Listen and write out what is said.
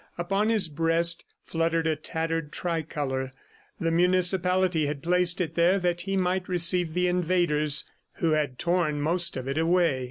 Upon his breast fluttered a tattered tricolor; the municipality had placed it there that he might receive the invaders who had torn most of it away.